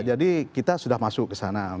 jadi kita sudah masuk ke sana